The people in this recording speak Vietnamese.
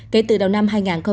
kể từ đầu năm hai nghìn hai mươi